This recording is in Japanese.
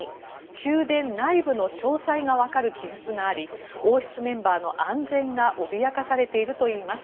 宮殿内部の詳細がわかる記述があり王室メンバーの安全が脅かされているといいます。